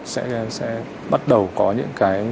sẽ bắt đầu có những cái